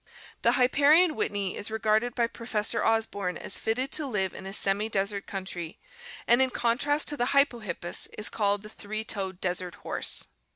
The Hipparion whitneyi is regarded by Professor Osborn as fitted to live in a semi desert country, and in contrast to the Hypohippus, is called the 'three toed desert horse,,, (Matthew).